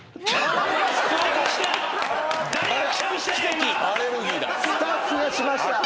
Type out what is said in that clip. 誰がした⁉「スタッフがしました」